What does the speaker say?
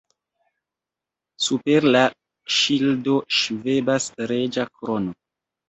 Super la ŝildo ŝvebas reĝa krono.